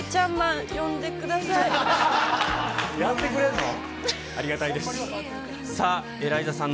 やってくれんの？